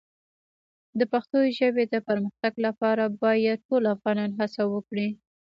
د پښتو ژبې د پرمختګ لپاره باید ټول افغانان هڅه وکړي.